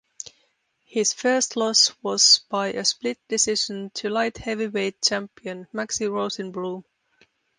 His first loss was by a split decision to light heavyweight champion Maxie Rosenbloom.